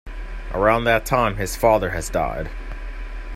Around that time his father has died.